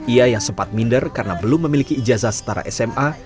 ia yang sempat minder karena belum memiliki ijazah setara sma